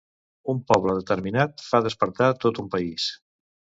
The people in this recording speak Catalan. Un poble determinat fa despertar tot un país.